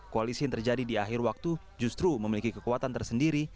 koalisi yang terjadi di akhir waktu justru memiliki kekuatan tersendiri